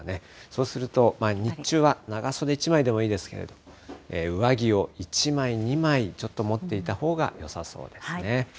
そうすると、日中は長袖１枚でもいいですけれど、上着を１枚、２枚、ちょっと持っていたほうがよさそうですね。